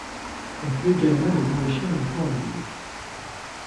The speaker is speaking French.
On peut également les enrichir de thon à l'huile.